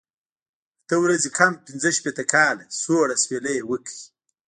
اته ورځې کم پنځه شپېته کاله، سوړ اسویلی یې وکړ.